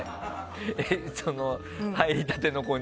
入りたての子に？